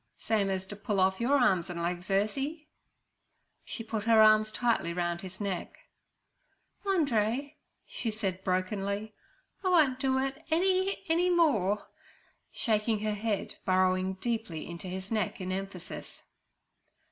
'Same as t' pull off your arms and legs, Ursie.' She put her arms tightly round his neck. 'Andree' she said brokenly, 'I won't do it any, any more' her shaking head burrowing deeply into his neck in emphasis.